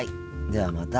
ではまた。